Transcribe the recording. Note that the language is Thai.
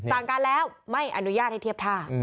สั่งการแล้วไม่อนุญาตให้เทียบท่า